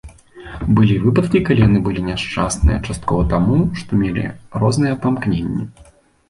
Былі выпадкі, калі яны былі няшчасныя, часткова таму, што мелі розныя памкненні.